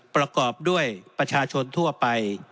ประกอบด้วยประชาชนทั่วไป